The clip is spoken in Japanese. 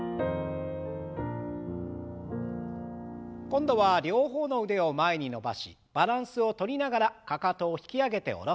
今度は両方の腕を前に伸ばしバランスをとりながらかかとを引き上げて下ろす運動。